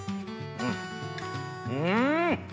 うん！